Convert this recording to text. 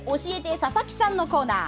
佐々木さんのコーナー。